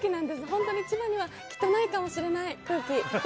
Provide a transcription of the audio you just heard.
本当に千葉にはきっとないかもしれない空気。